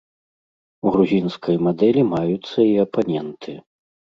У грузінскай мадэлі маюцца і апаненты.